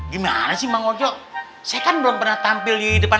gimana sih bang ojo saya kan belum pernah tampil di depan